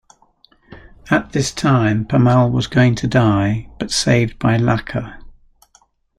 At this time Pemal was going to die but saved by Lachha.